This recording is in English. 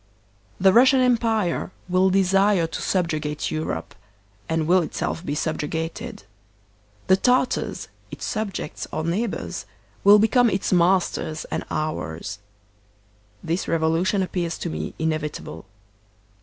The Russian Empire will desire to subjugate Europe, and will itself be subjugated. The Tartars, its subjects or neighbors, will become its masters and ours. This rev olution appears to me inevitable.